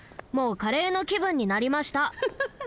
もうカレーのきぶんになりました！